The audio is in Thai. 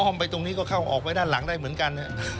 ไปตรงนี้ก็เข้าออกไปด้านหลังได้เหมือนกัน